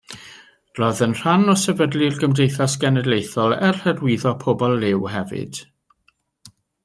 Roedd yn rhan o sefydlu'r Gymdeithas Genedlaethol er Hyrwyddo Pobl Liw hefyd.